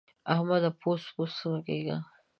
احمده! بوڅ بوڅ مه کېږه.